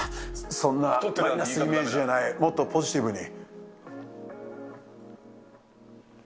そんなマイナスイメージじゃない、もっとポジティブに。